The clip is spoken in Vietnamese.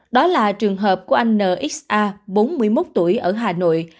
đó là trường hợp của anh nsa bốn mươi một tuổi ở hà nội